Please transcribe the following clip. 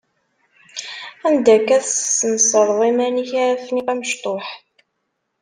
Anda akka tesnesreḍ iman-ik a Afniq amecṭuḥ?